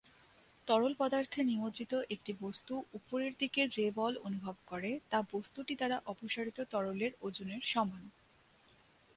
তরল পদার্থে নিমজ্জিত একটি বস্তু উপরের দিকে যে বল অনুভব করে তা বস্তুটি দ্বারা অপসারিত তরলের ওজনের সমান।